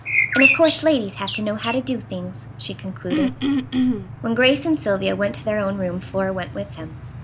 "And of course ladies have to know how to do things," she concluded. When Grace and Sylvia went to their own room Flora went with them.